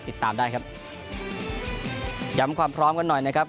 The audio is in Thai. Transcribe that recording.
ติดตามได้ครับย้ำความพร้อมกันหน่อยนะครับ